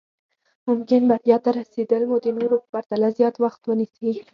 ممکن بريا ته رسېدل مو د نورو په پرتله زیات وخت ونيسي.